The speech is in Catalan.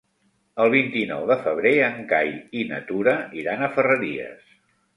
El vint-i-nou de febrer en Cai i na Tura iran a Ferreries.